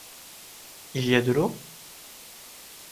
Il y a de l’eau ?